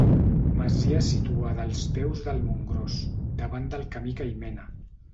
Masia situada als peus del Montgròs, davant del camí que hi mena.